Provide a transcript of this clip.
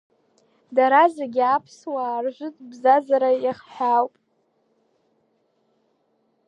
Дара зегьы аԥсуаа ржәытә бзазара иахҳәаауп.